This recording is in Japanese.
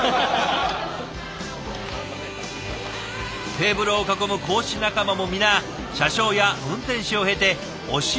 テーブルを囲む講師仲間も皆車掌や運転士を経て教える側に。